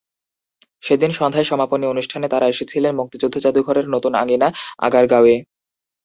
সেদিন সন্ধ্যায় সমাপনী অনুষ্ঠানে তাঁরা এসেছিলেন মুক্তিযুদ্ধ জাদুঘরের নতুন আঙিনা আগারগাঁওয়ে।